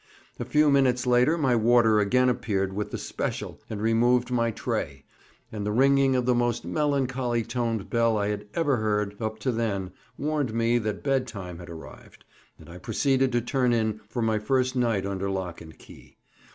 A few minutes later my warder again appeared with the "special" and removed my "tray;" and the ringing of the most melancholy toned bell I had ever heard up to then warned me that bed time had arrived, and I proceeded to turn in for my first night under lock and key.